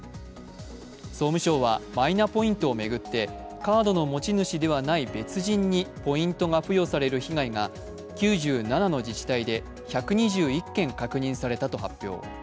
総務省はマイナポイントを巡ってカードの持ち主ではない別人にポイントが付与される被害が９７の自治体で１２１件、確認されたと発表。